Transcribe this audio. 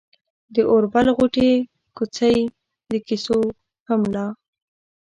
د اوربل غوټې، کوڅۍ، د ګيسو هم لا